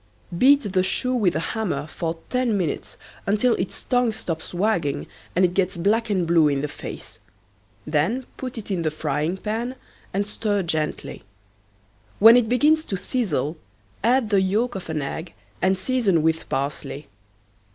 Beat the shoe with a hammer for ten minutes until its tongue stops wagging and it gets black and blue in the face. Then put it in the frying pan and stir gently. When it begins to sizzle add the yolk of an egg and season with parsley.